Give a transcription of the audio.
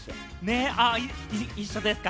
一緒ですか？